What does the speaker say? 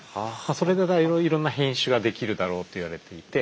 それでいろんな変種ができるだろうといわれていて。